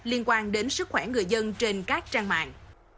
liên quan đến sức khỏe người dân trên các trang mạng